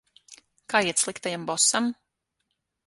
Kā iet sliktajam bosam?